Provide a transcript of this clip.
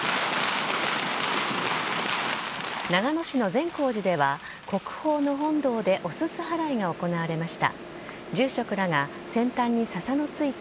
長野市の善光寺では、国宝の本堂でおすす払いが行われました。